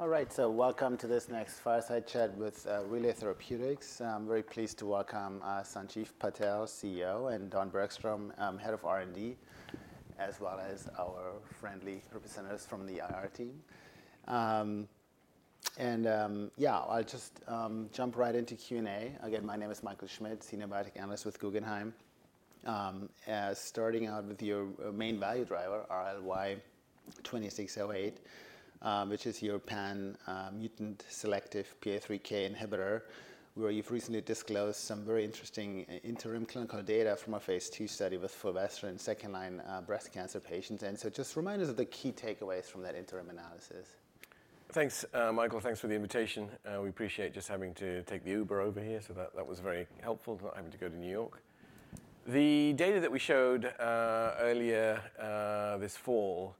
All right, so welcome to this next fireside chat with Relay Therapeutics. I'm very pleased to welcome Sanjiv Patel, CEO, and Don Bergstrom, Head of R&D, as well as our friendly representatives from the IR team. And yeah, I'll just jump right into Q&A. Again, my name is Michael Schmidt, Senior Biotech Analyst with Guggenheim. Starting out with your main value driver, RLY-2608, which is your pan-mutant selective PI3K inhibitor, where you've recently disclosed some very interesting interim clinical data from a phase II study with fulvestrant second-line breast cancer patients. And so just remind us of the key takeaways from that interim analysis? Thanks, Michael. Thanks for the invitation. We appreciate just having to take the Uber over here, so that was very helpful, not having to go to New York. The data that we showed earlier this fall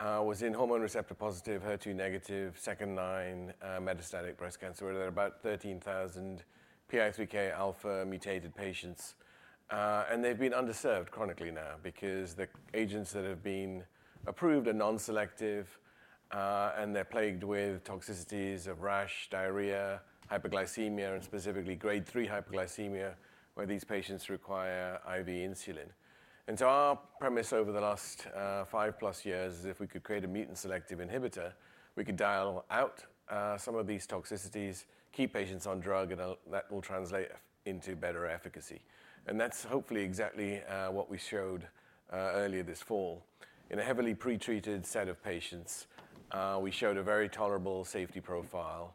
was in hormone receptor positive, HER2-negative, second-line metastatic breast cancer. There are about 13,000 PI3K alpha mutated patients. And they've been underserved chronically now because the agents that have been approved are non-selective, and they're plagued with toxicities of rash, diarrhea, hyperglycemia, and specifically grade 3 hyperglycemia, where these patients require IV insulin. And so our premise over the last five plus years is if we could create a mutant selective inhibitor, we could dial out some of these toxicities, keep patients on drug, and that will translate into better efficacy. And that's hopefully exactly what we showed earlier this fall. In a heavily pretreated set of patients, we showed a very tolerable safety profile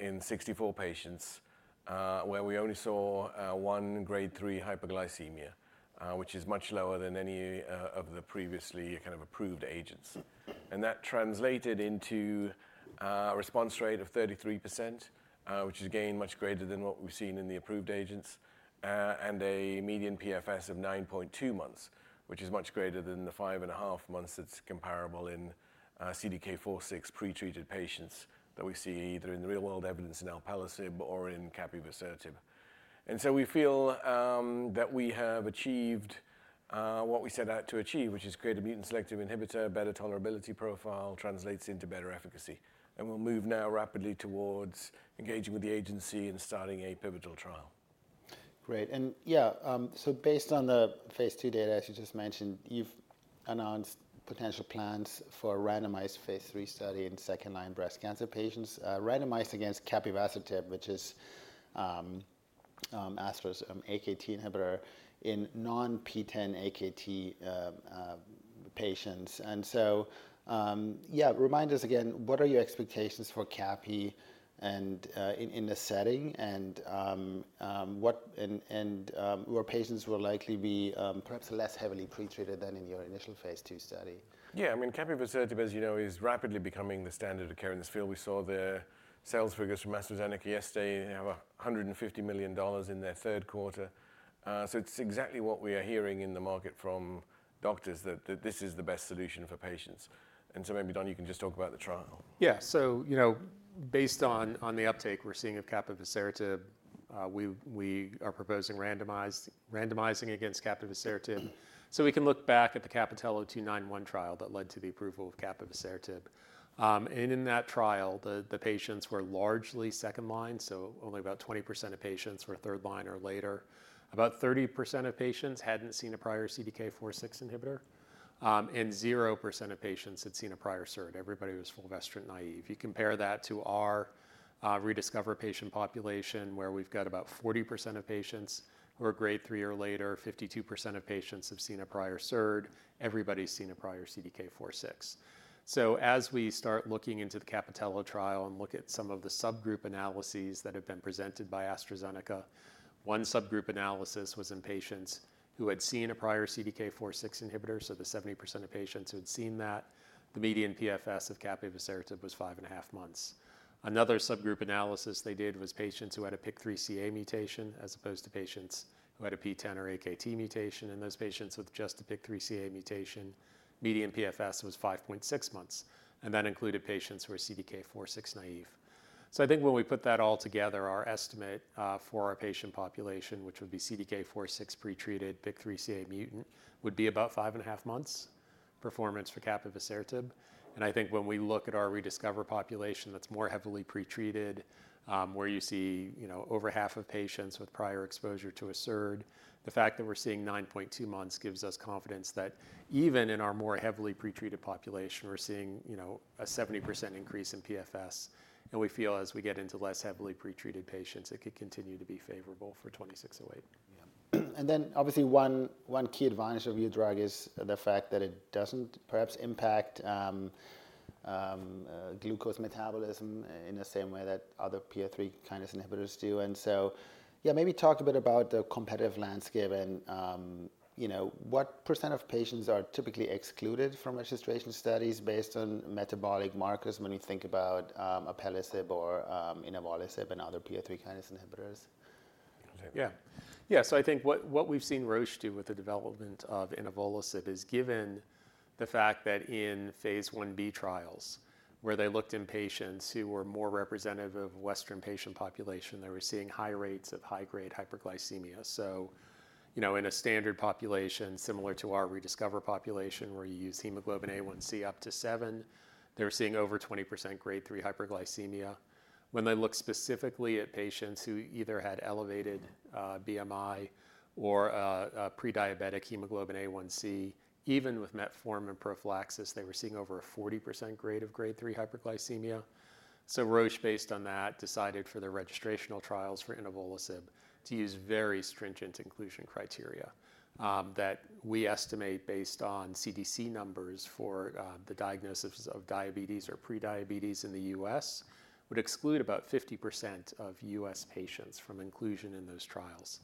in 64 patients, where we only saw one grade 3 hyperglycemia, which is much lower than any of the previously kind of approved agents, and that translated into a response rate of 33%, which is, again, much greater than what we've seen in the approved agents, and a median PFS of 9.2 months, which is much greater than the five and a half months that's comparable in CDK4/6 pretreated patients that we see either in the real-world evidence in alpelisib or in capivasertib. And so we feel that we have achieved what we set out to achieve, which is create a mutant selective inhibitor, better tolerability profile, translates into better efficacy, and we'll move now rapidly towards engaging with the agency and starting a pivotal trial. Great. And yeah, so based on the phase II data, as you just mentioned, you've announced potential plans for a randomized phase III study in second-line breast cancer patients, randomized against capivasertib, which is an AKT inhibitor, in non-PTEN AKT patients. And so yeah, remind us again, what are your expectations for capi in the setting, and where patients will likely be perhaps less heavily pretreated than in your initial phase II study? Yeah, I mean, capivasertib, as you know, is rapidly becoming the standard of care in this field. We saw the sales figures from AstraZeneca yesterday. They have $150 million in their third quarter, so it's exactly what we are hearing in the market from doctors, that this is the best solution for patients, and so maybe, Don, you can just talk about the trial. Yeah, so you know based on the uptake we're seeing of capivasertib, we are proposing randomizing against capivasertib. So we can look back at the CAPItello-291 trial that led to the approval of capivasertib. And in that trial, the patients were largely second line, so only about 20% of patients were third line or later. About 30% of patients hadn't seen a prior CDK4/6 inhibitor, and 0% of patients had seen a prior SERD. Everybody was fulvestrant naive. You compare that to our ReDiscover patient population, where we've got about 40% of patients who are third line or later, 52% of patients have seen a prior SERD. Everybody's seen a prior CDK4/6. So as we start looking into the CAPItello-291 trial and look at some of the subgroup analyses that have been presented by AstraZeneca, one subgroup analysis was in patients who had seen a prior CDK4/6 inhibitor, so the 70% of patients who had seen that, the median PFS of capivasertib was five and a half months. Another subgroup analysis they did was patients who had a PIK3CA mutation as opposed to patients who had a PTEN or AKT mutation. And those patients with just a PIK3CA mutation, median PFS was 5.6 months. And that included patients who were CDK4/6 naive. So I think when we put that all together, our estimate for our patient population, which would be CDK4/6 pretreated PIK3CA mutant, would be about five and a half months PFS for capivasertib. And I think when we look at our ReDiscover population that's more heavily pretreated, where you see over half of patients with prior exposure to a SERD, the fact that we're seeing 9.2 months gives us confidence that even in our more heavily pretreated population, we're seeing a 70% increase in PFS. And we feel as we get into less heavily pretreated patients, it could continue to be favorable for 2608. Yeah. And then obviously one key advantage of your drug is the fact that it doesn't perhaps impact glucose metabolism in the same way that other PI3K kind of inhibitors do. And so yeah, maybe talk a bit about the competitive landscape and what percent of patients are typically excluded from registration studies based on metabolic markers when you think about alpelisib or inavolisib and other PI3K kinds of inhibitors? Yeah. Yeah, so I think what we've seen Roche do with the development of inavolisib is given the fact that in phase I-B trials, where they looked in patients who were more representative of Western patient population, they were seeing high rates of high-grade hyperglycemia. So in a standard population similar to our ReDiscover population, where you use hemoglobin A1c up to 7, they were seeing over 20% grade 3 hyperglycemia. When they looked specifically at patients who either had elevated BMI or prediabetic hemoglobin A1c, even with metformin prophylaxis, they were seeing over 40% grade 3 hyperglycemia. So Roche, based on that, decided for the registrational trials for inavolisib to use very stringent inclusion criteria that we estimate based on CDC numbers for the diagnosis of diabetes or prediabetes in the U.S. would exclude about 50% of U.S. patients from inclusion in those trials.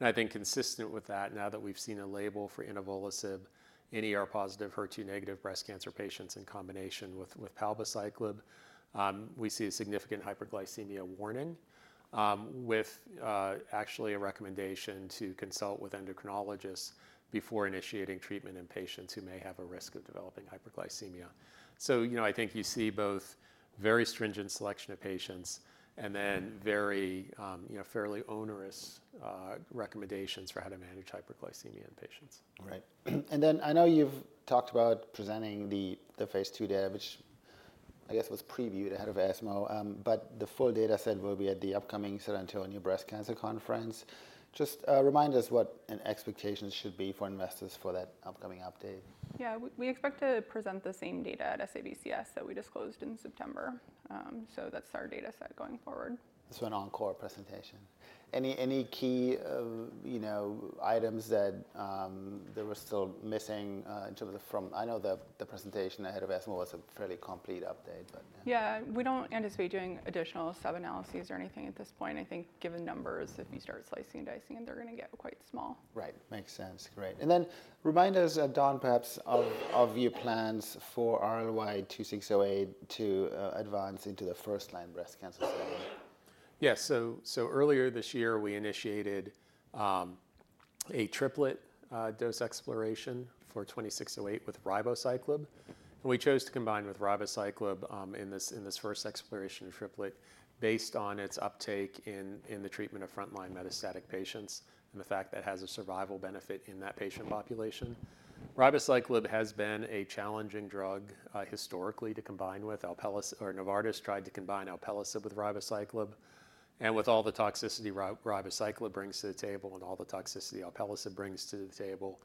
I think consistent with that, now that we've seen a label for inavolisib in PIK3CA-positive, HER2-negative breast cancer patients in combination with palbociclib, we see a significant hyperglycemia warning with actually a recommendation to consult with endocrinologists before initiating treatment in patients who may have a risk of developing hyperglycemia. I think you see both very stringent selection of patients and then fairly onerous recommendations for how to manage hyperglycemia in patients. Right. And then I know you've talked about presenting the phase II data, which I guess was previewed ahead of ESMO, but the full data set will be at the upcoming San Antonio Breast Cancer Symposium. Just remind us what expectations should be for investors for that upcoming update. Yeah, we expect to present the same data at SABCS that we disclosed in September. So that's our data set going forward. This was an encore presentation. Any key items that there were still missing in terms of from, I know, the presentation ahead of ESMO was a fairly complete update, but. Yeah, we don't anticipate doing additional sub-analyses or anything at this point. I think given numbers, if you start slicing and dicing, they're going to get quite small. Right. Makes sense. Great. And then remind us, Don, perhaps of your plans for RLY-2608 to advance into the first-line breast cancer study? Yeah, so earlier this year, we initiated a triplet dose exploration for 2608 with ribociclib, and we chose to combine with ribociclib in this first exploration triplet based on its uptake in the treatment of front-line metastatic patients and the fact that it has a survival benefit in that patient population. Ribociclib has been a challenging drug historically to combine with. Novartis tried to combine alpelisib with ribociclib, and with all the toxicity ribociclib brings to the table and all the toxicity alpelisib brings to the table,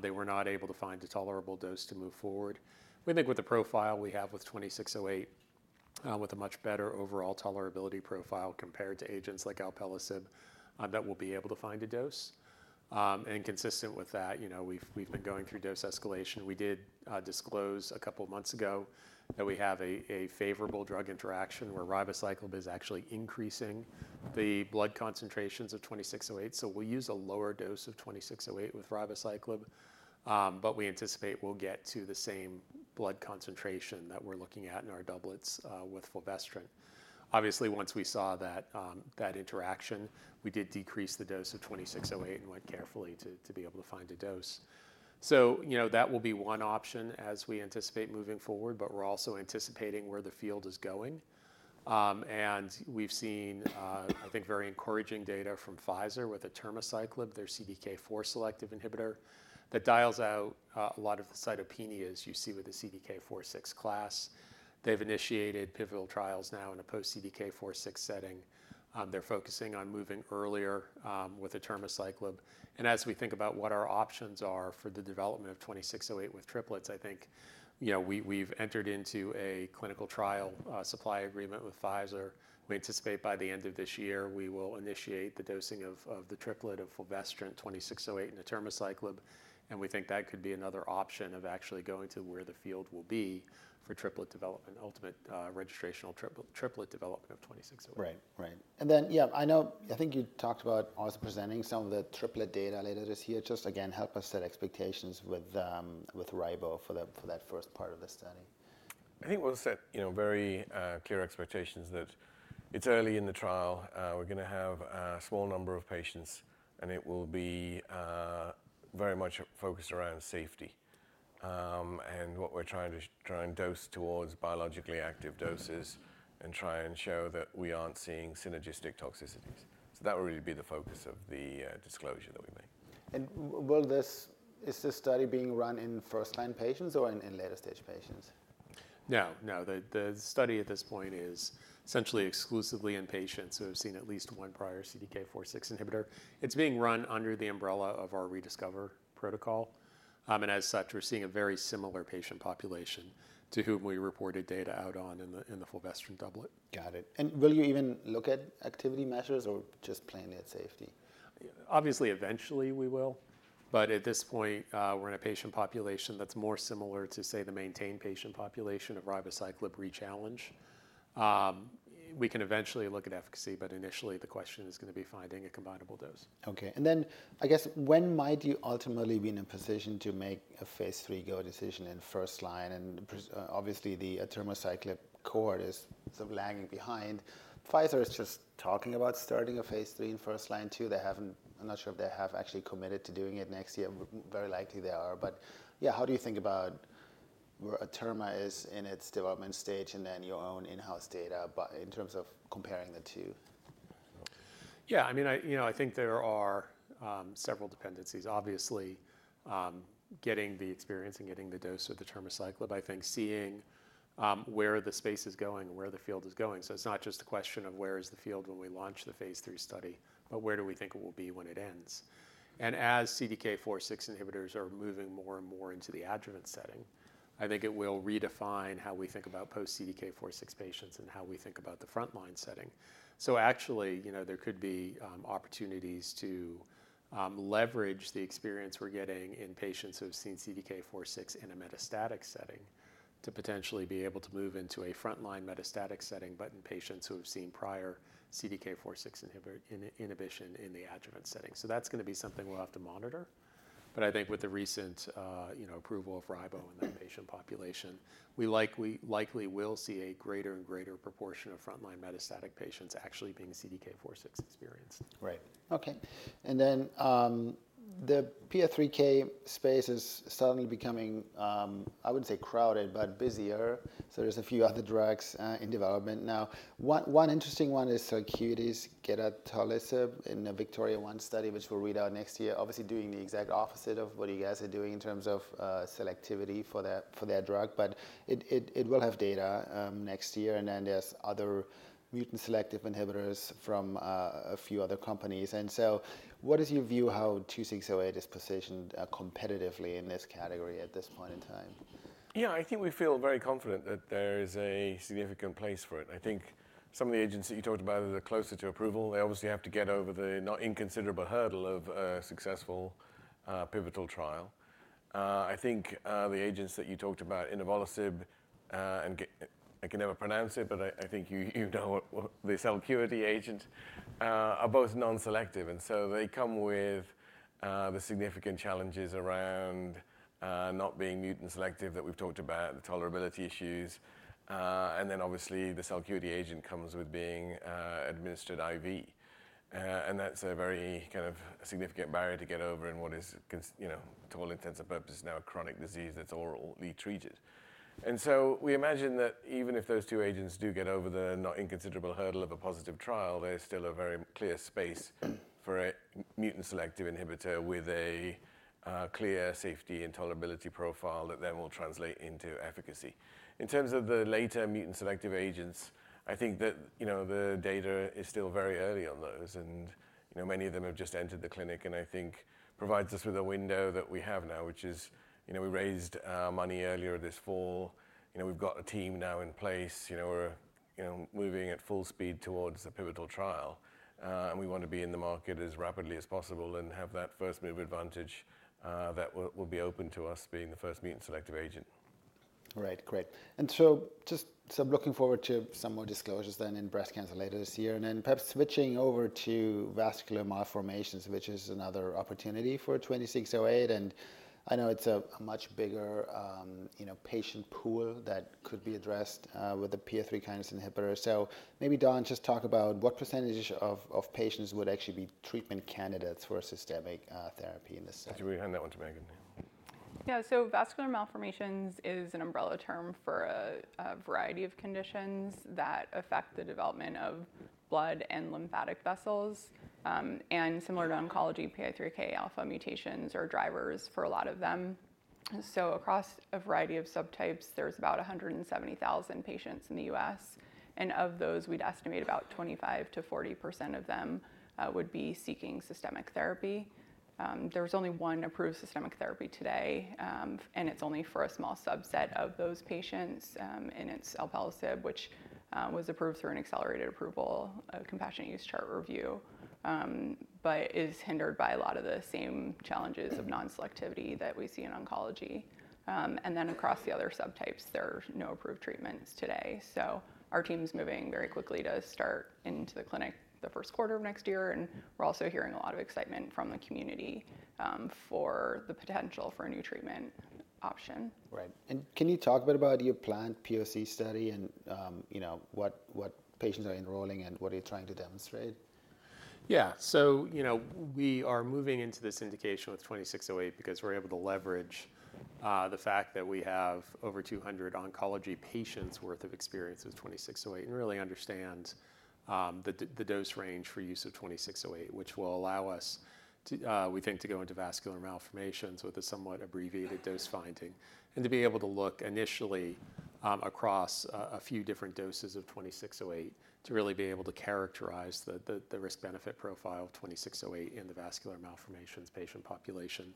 they were not able to find a tolerable dose to move forward. We think with the profile we have with 2608, with a much better overall tolerability profile compared to agents like alpelisib, that we'll be able to find a dose, and consistent with that, we've been going through dose escalation. We did disclose a couple of months ago that we have a favorable drug interaction where ribociclib is actually increasing the blood concentrations of 2608. So we'll use a lower dose of 2608 with ribociclib, but we anticipate we'll get to the same blood concentration that we're looking at in our doublets with fulvestrant. Obviously, once we saw that interaction, we did decrease the dose of 2608 and went carefully to be able to find a dose. So that will be one option as we anticipate moving forward, but we're also anticipating where the field is going. And we've seen, I think, very encouraging data from Pfizer with atirmociclib, their CDK4 selective inhibitor, that dials out a lot of the cytopenias you see with the CDK4/6 class. They've initiated pivotal trials now in a post-CDK4/6 setting. They're focusing on moving earlier with atirmociclib. As we think about what our options are for the development of 2608 with triplets, I think we've entered into a clinical trial supply agreement with Pfizer. We anticipate by the end of this year, we will initiate the dosing of the triplet of fulvestrant, 2608, and atirmociclib. We think that could be another option of actually going to where the field will be for triplet development, ultimate registrational triplet development of 2608. Right, right. And then, yeah, I think you talked about also presenting some of the triplet data later this year. Just again, help us set expectations with ribo for that first part of the study. I think we'll set very clear expectations that it's early in the trial. We're going to have a small number of patients, and it will be very much focused around safety and what we're trying to dose towards biologically active doses and try and show that we aren't seeing synergistic toxicities. So that will really be the focus of the disclosure that we make. Is this study being run in first-line patients or in later-stage patients? No, no. The study at this point is essentially exclusively in patients who have seen at least one prior CDK4/6 inhibitor. It's being run under the umbrella of our ReDiscover protocol, and as such, we're seeing a very similar patient population to whom we reported data out on in the fulvestrant doublet. Got it. And will you even look at activity measures or just plain safety? Obviously, eventually we will. But at this point, we're in a patient population that's more similar to, say, the maintained patient population of ribociclib rechallenge. We can eventually look at efficacy, but initially, the question is going to be finding a combinable dose. Okay, and then I guess when might you ultimately be in a position to make a phase III go decision in first line, and obviously, the atirmociclib cohort is sort of lagging behind. Pfizer is just talking about starting a phase III in first line too. I'm not sure if they have actually committed to doing it next year, very likely they are, but yeah, how do you think about where atirmociclib is in its development stage and then your own in-house data in terms of comparing the two? Yeah, I mean, I think there are several dependencies. Obviously, getting the experience and getting the dose of the atirmociclib, I think seeing where the space is going, where the field is going. So it's not just a question of where is the field when we launch the phase III study, but where do we think it will be when it ends? And as CDK4/6 inhibitors are moving more and more into the adjuvant setting, I think it will redefine how we think about post-CDK4/6 patients and how we think about the front-line setting. So actually, there could be opportunities to leverage the experience we're getting in patients who have seen CDK4/6 in a metastatic setting to potentially be able to move into a front-line metastatic setting, but in patients who have seen prior CDK4/6 inhibition in the adjuvant setting. So that's going to be something we'll have to monitor. But I think with the recent approval of Ribo in that patient population, we likely will see a greater and greater proportion of front-line metastatic patients actually being CDK4/6 experienced. Right. Okay. And then the PI3K space is suddenly becoming, I wouldn't say crowded, but busier. So there's a few other drugs in development now. One interesting one is Celcuity, gedatolisib, in a VIKTORIA-1 study, which we'll read out next year, obviously doing the exact opposite of what you guys are doing in terms of selectivity for that drug. But it will have data next year. And then there's other mutant selective inhibitors from a few other companies. And so what is your view how 2608 is positioned competitively in this category at this point in time? Yeah, I think we feel very confident that there is a significant place for it. I think some of the agents that you talked about are closer to approval. They obviously have to get over the not inconsiderable hurdle of a successful pivotal trial. I think the agents that you talked about, inavolisib, and I can never pronounce it, but I think you know the Celcuity agent, are both non-selective. And so they come with the significant challenges around not being mutant selective that we've talked about, the tolerability issues. And then obviously, the Celcuity agent comes with being administered IV. And that's a very kind of significant barrier to get over in what is, to all intents and purposes, now a chronic disease that's orally treated. And so we imagine that even if those two agents do get over the not inconsiderable hurdle of a positive trial, there's still a very clear space for a mutant selective inhibitor with a clear safety and tolerability profile that then will translate into efficacy. In terms of the later mutant selective agents, I think that the data is still very early on those. And many of them have just entered the clinic. And I think provides us with a window that we have now, which is we raised money earlier this fall. We've got a team now in place. We're moving at full speed towards a pivotal trial. And we want to be in the market as rapidly as possible and have that first move advantage that will be open to us being the first mutant selective agent. Right, great. And so just looking forward to some more disclosures then in breast cancer later this year. And then perhaps switching over to vascular malformations, which is another opportunity for 2608. And I know it's a much bigger patient pool that could be addressed with a PI3K alpha inhibitor. So maybe, Don, just talk about what percentage of patients would actually be treatment candidates for systemic therapy in this study. I think we hand that one to Megan. Yeah, so vascular malformations is an umbrella term for a variety of conditions that affect the development of blood and lymphatic vessels. And similar to oncology, PI3K alpha mutations are drivers for a lot of them. So across a variety of subtypes, there's about 170,000 patients in the U.S. And of those, we'd estimate about 25%-40% of them would be seeking systemic therapy. There's only one approved systemic therapy today. And it's only for a small subset of those patients, and it's alpelisib, which was approved through an accelerated approval compassionate use chart review, but is hindered by a lot of the same challenges of non-selectivity that we see in oncology. And then across the other subtypes, there are no approved treatments today. So our team's moving very quickly to start into the clinic the first quarter of next year. We're also hearing a lot of excitement from the community for the potential for a new treatment option. Right. And can you talk a bit about your planned POC study and what patients are enrolling and what are you trying to demonstrate? Yeah, so we are moving into this indication with 2608 because we're able to leverage the fact that we have over 200 oncology patients' worth of experience with 2608 and really understand the dose range for use of 2608, which will allow us, we think, to go into vascular malformations with a somewhat abbreviated dose finding and to be able to look initially across a few different doses of 2608 to really be able to characterize the risk-benefit profile of 2608 in the vascular malformations patient population.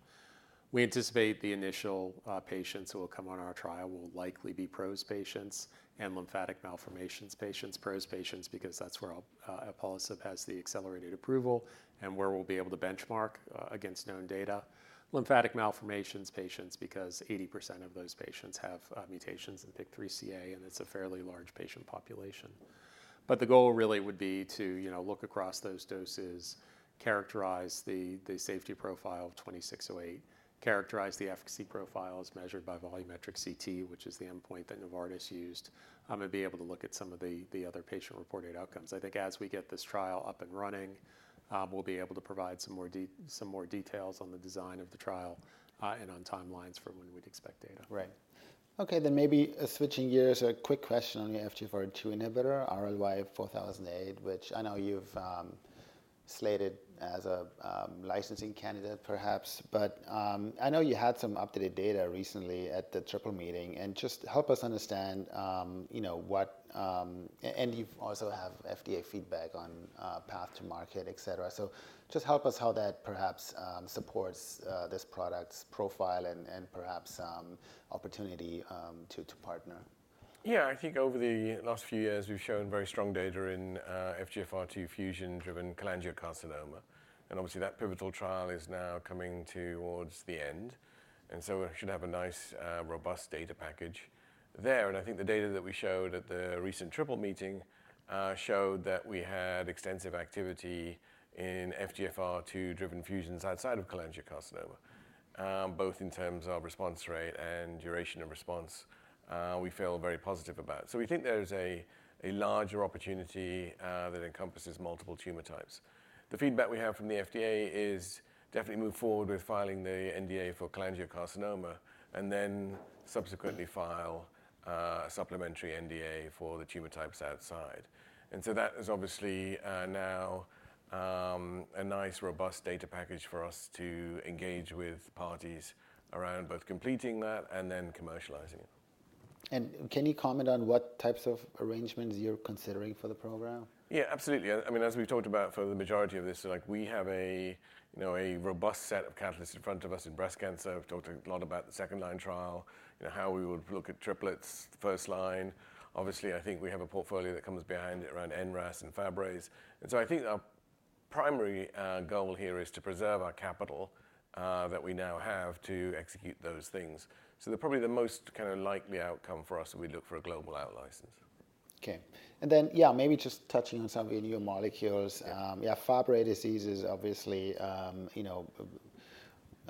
We anticipate the initial patients who will come on our trial will likely be PROS patients and lymphatic malformations patients, PROS patients, because that's where alpelisib has the accelerated approval and where we'll be able to benchmark against known data, lymphatic malformations patients, because 80% of those patients have mutations in PIK3CA, and it's a fairly large patient population. But the goal really would be to look across those doses, characterize the safety profile of 2608, characterize the efficacy profile as measured by volumetric CT, which is the endpoint that Novartis used, and be able to look at some of the other patient-reported outcomes. I think as we get this trial up and running, we'll be able to provide some more details on the design of the trial and on timelines for when we'd expect data. Right. Okay, then maybe switching gears, a quick question on your FGFR2 inhibitor, RLY-4008, which I know you've slated as a licensing candidate, perhaps. But I know you had some updated data recently at the Triple Meeting. And just help us understand what and you also have FDA feedback on path to market, et cetera. So just help us how that perhaps supports this product's profile and perhaps opportunity to partner. Yeah, I think over the last few years, we've shown very strong data in FGFR2 fusion-driven cholangiocarcinoma. And obviously, that pivotal trial is now coming towards the end. And so we should have a nice, robust data package there. And I think the data that we showed at the recent Triple Meeting showed that we had extensive activity in FGFR2-driven fusions outside of cholangiocarcinoma, both in terms of response rate and duration of response. We feel very positive about it. So we think there's a larger opportunity that encompasses multiple tumor types. The feedback we have from the FDA is definitely move forward with filing the NDA for cholangiocarcinoma and then subsequently file a supplementary NDA for the tumor types outside. And so that is obviously now a nice, robust data package for us to engage with parties around both completing that and then commercializing it. Can you comment on what types of arrangements you're considering for the program? Yeah, absolutely. I mean, as we've talked about for the majority of this, we have a robust set of catalysts in front of us in breast cancer. We've talked a lot about the second-line trial, how we would look at triplets first line. Obviously, I think we have a portfolio that comes behind it around NRAS and Fabry. And so I think our primary goal here is to preserve our capital that we now have to execute those things. So probably the most kind of likely outcome for us would be to look for a global out license. Okay. And then, yeah, maybe just touching on some of your new molecules. Yeah, Fabry disease is obviously, I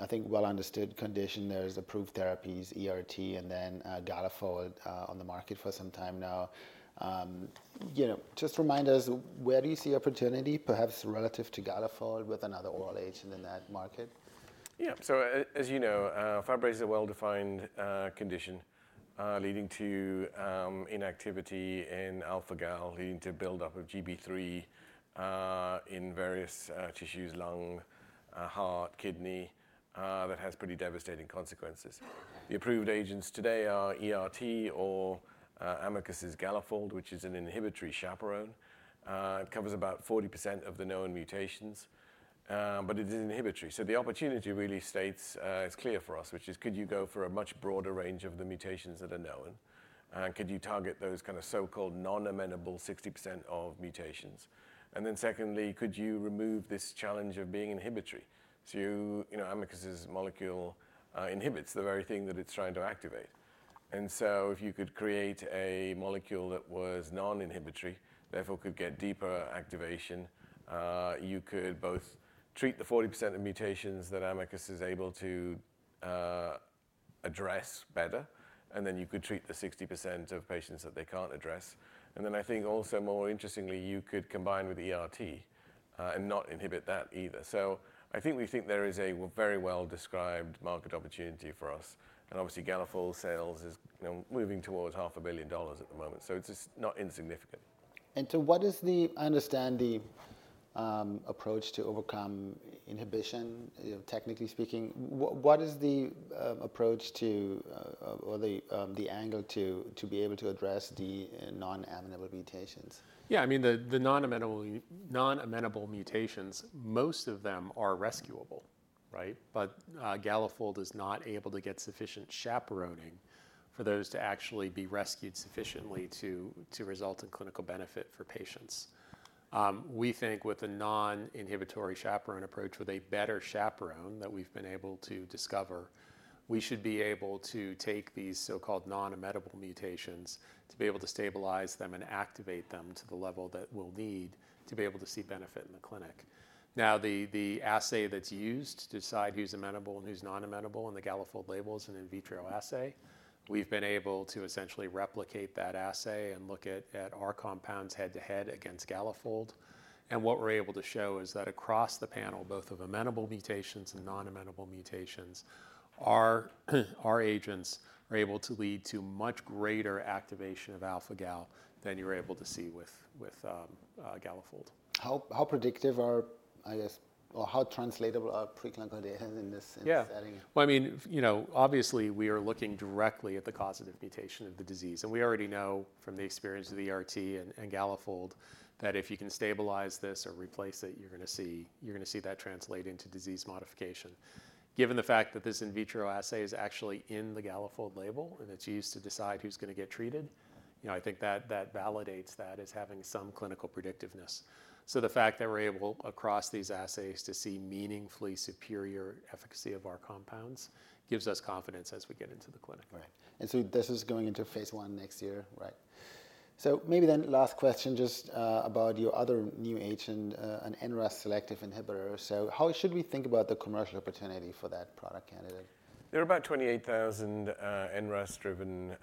think, well-understood condition. There's approved therapies, ERT, and then Galafold on the market for some time now. Just remind us, where do you see opportunity, perhaps relative to Galafold with another oral agent in that market? Yeah, so as you know, Fabry disease is a well-defined condition leading to inactivity in alpha-Gal A, leading to buildup of Gb3 in various tissues, lung, heart, kidney that has pretty devastating consequences. The approved agents today are ERT or Amicus's Galafold, which is an inhibitory chaperone. It covers about 40% of the known mutations. But it is inhibitory. So the opportunity really states is clear for us, which is, could you go for a much broader range of the mutations that are known? And could you target those kind of so-called non-amenable 60% of mutations? And then secondly, could you remove this challenge of being inhibitory? So Amicus's molecule inhibits the very thing that it's trying to activate. And so if you could create a molecule that was non-inhibitory, therefore could get deeper activation, you could both treat the 40% of mutations that Amicus is able to address better, and then you could treat the 60% of patients that they can't address. And then I think also more interestingly, you could combine with ERT and not inhibit that either. So I think we think there is a very well-described market opportunity for us. And obviously, Galafold sales is moving towards $500 million at the moment. So it's just not insignificant. What is the approach to overcome inhibition, technically speaking? What is the approach to, or the angle to, be able to address the non-amenable mutations? Yeah, I mean, the non-amenable mutations, most of them are rescuable, right? But Galafold is not able to get sufficient chaperoning for those to actually be rescued sufficiently to result in clinical benefit for patients. We think with a non-inhibitory chaperone approach, with a better chaperone that we've been able to discover, we should be able to take these so-called non-amenable mutations to be able to stabilize them and activate them to the level that we'll need to be able to see benefit in the clinic. Now, the assay that's used to decide who's amenable and who's non-amenable in the Galafold label is an in vitro assay. We've been able to essentially replicate that assay and look at our compounds head-to-head against Galafold. What we're able to show is that across the panel, both of amenable mutations and non-amenable mutations, our agents are able to lead to much greater activation of alpha-Gal A than you're able to see with Galafold. How predictive are, I guess, or how translatable are preclinical data in this setting? Yeah, well, I mean, obviously, we are looking directly at the causative mutation of the disease, and we already know from the experience of the ERT and Galafold that if you can stabilize this or replace it, you're going to see that translate into disease modification. Given the fact that this in vitro assay is actually in the Galafold label and it's used to decide who's going to get treated, I think that validates that as having some clinical predictiveness, so the fact that we're able across these assays to see meaningfully superior efficacy of our compounds gives us confidence as we get into the clinic. Right. And so this is going into phase one next year, right? So maybe then last question just about your other new agent, an NRAS selective inhibitor. So how should we think about the commercial opportunity for that product candidate? There are about 28,000 NRAS-driven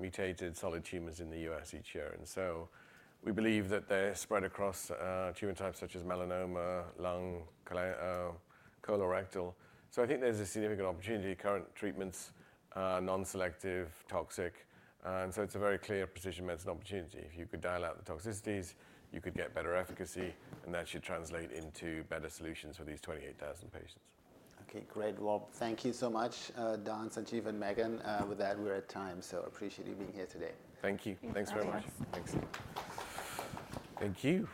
mutated solid tumors in the U.S. each year, and so we believe that they're spread across tumor types such as melanoma, lung, colorectal, so I think there's a significant opportunity. Current treatments are non-selective, toxic, and so it's a very clear precision medicine opportunity. If you could dial out the toxicities, you could get better efficacy, and that should translate into better solutions for these 28,000 patients. Okay, great. Well, thank you so much, Don, Sanjiv, and Megan. With that, we're at time. So appreciate you being here today. Thank you. Thanks very much. Thank you.